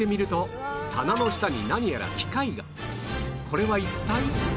これは一体？